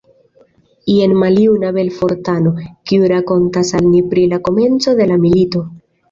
Jen maljuna Belfortano, kiu rakontas al ni pri la komenco de la milito.